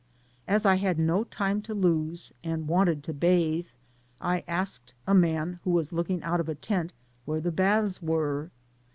As I had no time to Ipse, and wanted to bathe, I asked a man who was looking out (^ a tent, where the baths were?